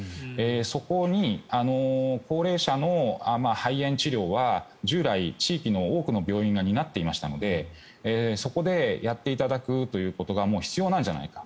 そこに高齢者の肺炎治療は従来、地域の多くの病院が担っていましたのでそこでやっていただくということが必要なんじゃないか。